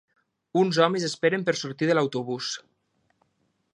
Uns homes esperen per sortir de l'autobús.